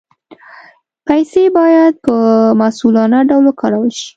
پیسې باید په مسؤلانه ډول وکارول شي.